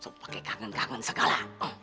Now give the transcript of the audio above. sok pake kangen kangen segala